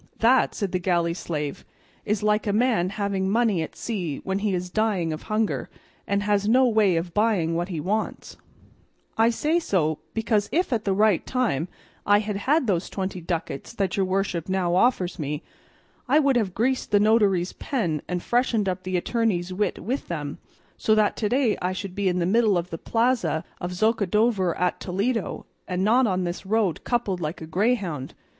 "That," said the galley slave, "is like a man having money at sea when he is dying of hunger and has no way of buying what he wants; I say so because if at the right time I had had those twenty ducats that your worship now offers me, I would have greased the notary's pen and freshened up the attorney's wit with them, so that to day I should be in the middle of the plaza of the Zocodover at Toledo, and not on this road coupled like a greyhound.